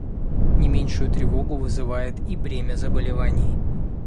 Не меньшую тревогу вызывает и бремя заболеваний.